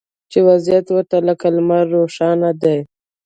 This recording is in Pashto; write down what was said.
چې وضعیت ورته لکه لمر روښانه دی